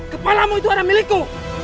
kepalamu itu ada milikku